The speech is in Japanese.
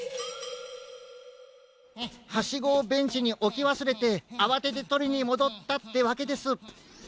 ハシゴをベンチにおきわすれてあわててとりにもどったってわけです。